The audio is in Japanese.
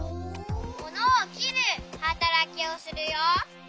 ものをきるはたらきをするよ。